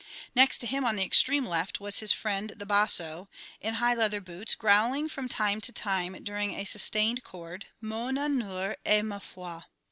Next him on the extreme left was his friend the basso, in high leather boots, growling from time to time during a sustained chord, "_Mon honneur et ma foi.